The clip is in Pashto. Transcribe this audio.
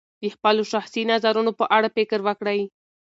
د خپلو شخصي نظرونو په اړه فکر وکړئ.